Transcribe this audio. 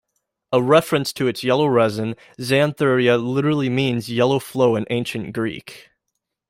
A reference to its yellow resin, "Xanthorrhoea" literally means "yellow flow" in Ancient Greek.